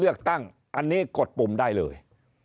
เลือกตั้งอันนี้กดปุ่มได้เลย